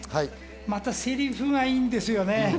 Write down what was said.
またセリフがいいんですよね。